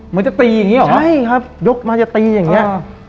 มันจะตีอย่างนี้หรอใช่ครับยกมาจะตีอย่างนี้